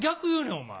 お前。